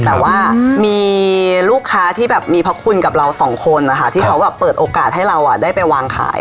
แต่ว่ามีลูกค้าที่แบบมีพระคุณกับเราสองคนนะคะที่เขาแบบเปิดโอกาสให้เราได้ไปวางขาย